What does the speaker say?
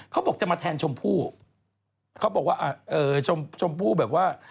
เขาบอกจะมาแทนชมพู่เขาบอกว่าชมชมพู่แบบว่า